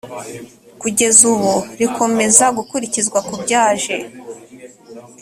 kugeza ubu rikomeza gukurikizwa ku byaje